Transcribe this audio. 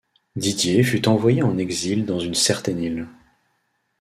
Didier fut envoyé en exil dans une certaine île.